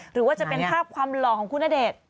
หรือว่าจะเป็นภาพความหล่อของคุณณเดชน์